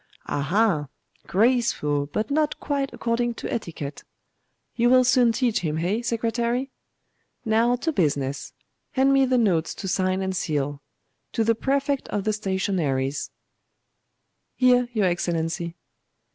'Ah, ha! Graceful, but not quite according to etiquette. You will soon teach him, eh, Secretary? Now to business. Hand me the notes to sign and seal. To the Prefect of the Stationaries ' 'Here, your Excellency.